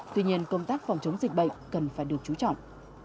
tuy nhiên công tác phòng chống dịch bệnh cần phải được trú trọng